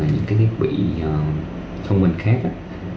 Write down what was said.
hoặc là những cái thiết bị nhà thông minh của bạn như là camera